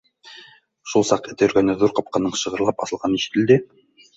Шул саҡ эт өргәне, ҙур ҡапҡаның шығырлап асылғаны ишетелде.